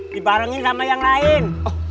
dibarangin sama yang lain